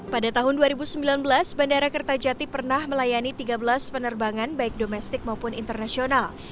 pada tahun dua ribu sembilan belas bandara kertajati pernah melayani tiga belas penerbangan baik domestik maupun internasional